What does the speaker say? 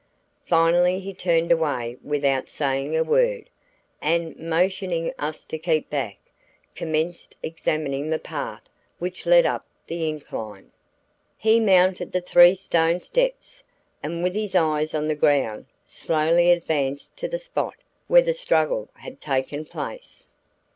Finally he turned away without saying a word, and, motioning us to keep back, commenced examining the path which led up the incline. He mounted the three stone steps, and with his eyes on the ground, slowly advanced to the spot where the struggle had taken place.